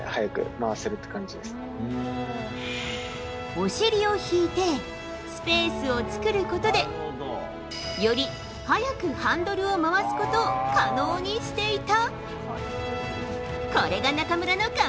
お尻を引いてスペースを作ることでより速くハンドルを回すことを可能にしていた。